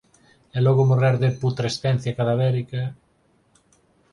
E logo morrer de putrescencia cadavérica...